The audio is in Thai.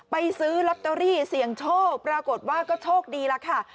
ซื้อลอตเตอรี่เสี่ยงโชคปรากฏว่าก็โชคดีแล้วค่ะ